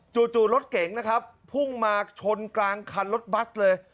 จู่รถเก๋งนะครับพุ่งมาชนกลางคันรถบัสเลย